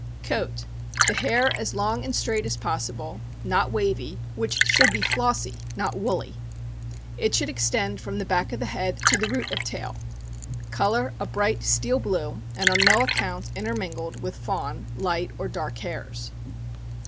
Coat. — The hair as long and straight as possible (not wavy), which should be flossy, not woolly. It should extend from the back of the head to the root of tail. Color a bright steel blue, and on no account intermingled with fawn, light, or dark hairs.